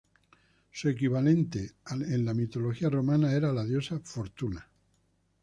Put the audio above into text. Su equivalente en la mitología romana era la diosa Fortuna.